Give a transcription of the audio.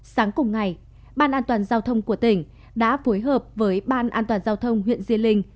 sáng cùng ngày ban an toàn giao thông của tỉnh đã phối hợp với ban an toàn giao thông huyện diên